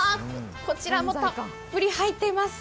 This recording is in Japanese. こちらもたっぷり入っています。